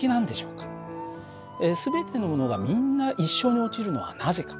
全てのものがみんな一緒に落ちるのはなぜか。